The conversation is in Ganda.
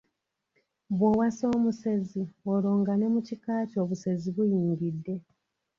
Bw'owasa omusezi olwo nga ne mu kika kyo obusezi buyingidde.